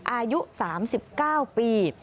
อายุ๓๙ปี